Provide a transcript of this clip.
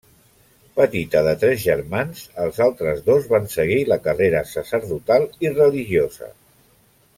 Petita de tres germans, els altres dos van seguir la carrera sacerdotal i religiosa.